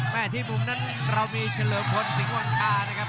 ที่มุมนั้นเรามีเฉลิมพลสิงหวัญชานะครับ